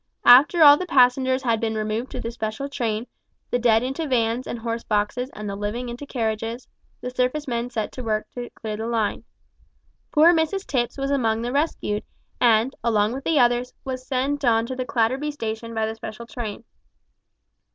After all the passengers had been removed to the special train the dead into vans and horse boxes and the living into carriages the surface men set to work to clear the line. Poor Mrs Tipps was among the rescued, and, along with the others, was sent on to the Clatterby station by the special train.